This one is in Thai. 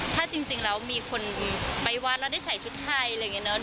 ถ้าจริงแล้วมีคนไปวัดแล้วได้ใส่ชุดไทยอะไรอย่างนี้เนอะ